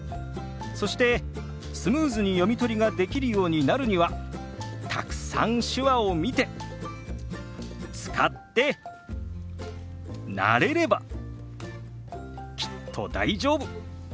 そしてスムーズに読み取りができるようになるにはたくさん手話を見て使って慣れればきっと大丈夫。